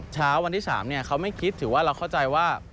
เช้าวันที่๓เขาไม่คิดถือว่าเราเข้าใจว่า